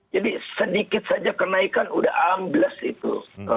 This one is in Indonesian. jadi sedikit saja kenaikan udah ambles itu